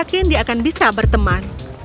yakin dia akan bisa berteman